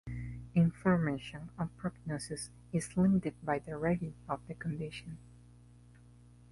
Information on prognosis is limited by the rarity of the condition.